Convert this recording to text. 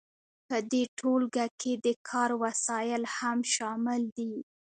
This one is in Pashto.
په دې ټولګه کې د کار وسایل هم شامل دي.